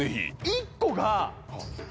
１個が。